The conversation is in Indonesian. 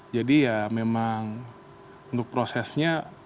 jadi ya memang untuk prosesnya